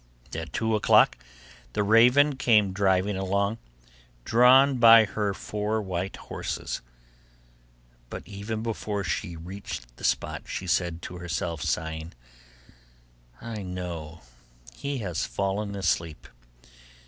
At two o'clock the raven came driving along, drawn by her four white horses; but even before she reached the spot, she said to herself, sighing, 'I know he has fallen asleep.